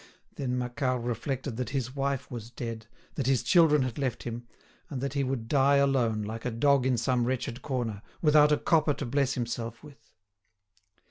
Then Macquart reflected that his wife was dead, that his children had left him, and that he would die alone, like a dog in some wretched corner, without a copper to bless himself with.